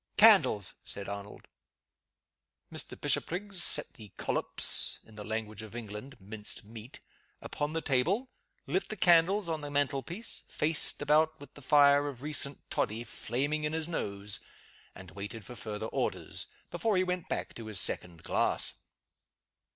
"Candles!" said Arnold. Mr. Bishopriggs set the "collops" (in the language of England, minced meat) upon the table, lit the candles on the mantle piece, faced about with the fire of recent toddy flaming in his nose, and waited for further orders, before he went back to his second glass.